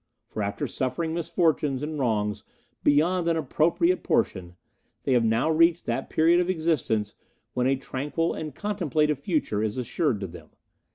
For after suffering misfortunes and wrongs beyond an appropriate portion, they have now reached that period of existence when a tranquil and contemplative future is assured to them.